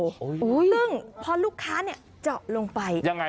กลมโตอุ้ยซึ่งพอลูกค้าเนี้ยเจาะลงไปยังไง